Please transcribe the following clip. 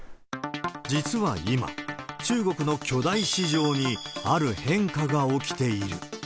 実は今、中国の巨大市場にある変化が起きている。